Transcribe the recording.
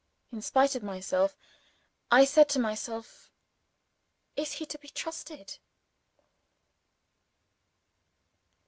In spite of myself, I said to myself "Is he to be trusted?"